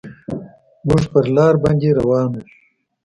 موږ پر لاره باندې روان وو.